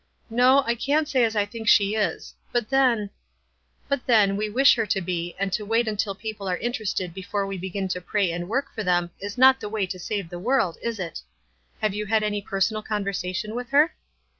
"No, I can't say as I think she is ; but then —" "But, then, we wish her to be, and to wait until people are interested before w r e begin to pray and work for them is not the way to save the world, is it? Have you had any personal conversation with her